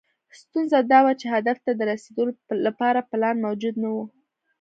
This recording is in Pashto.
ستونزه دا وه چې هدف ته د رسېدو لپاره پلان موجود نه و.